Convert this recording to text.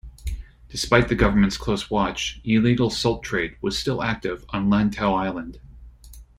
Despite the government's close watch, illegal salt trade was still active on Lantau Island.